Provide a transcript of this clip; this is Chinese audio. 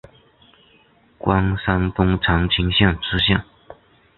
官山东长清县知县。